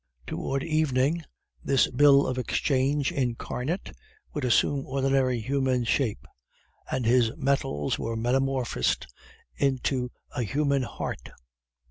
"Toward evening this bill of exchange incarnate would assume ordinary human shape, and his metals were metamorphosed into a human heart.